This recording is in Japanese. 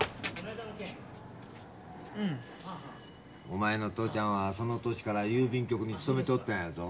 お前の父ちゃんはその年から郵便局に勤めておったんやぞ。